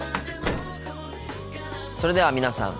それでは皆さん